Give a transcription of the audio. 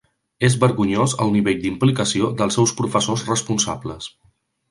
És vergonyós el nivell d'implicació dels seus professors responsables.